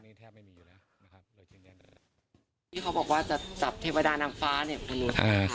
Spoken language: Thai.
ที่เค้าบอกว่าจะจับเทวดานางฟ้าเนี่ยคุณรู้มั้ยครับ